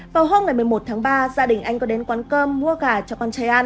vào hôm ngày một mươi một tháng ba gia đình anh có đến quán cơm mua gà cho con trai ăn